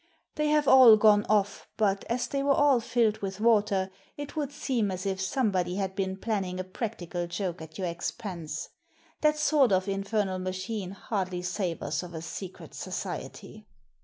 "They have all gone off, but as they were all filled with water it would seem as if somebody had been planning a practical joke at your expense. That sort of infernal machine hardly savours of a secret society."